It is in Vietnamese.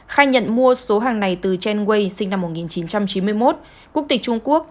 khai nhận mua số hàng này từ jenway sinh năm một nghìn chín trăm chín mươi một quốc tịch trung quốc